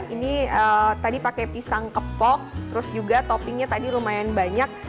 ini tadi pakai pisang kepok terus juga toppingnya tadi lumayan banyak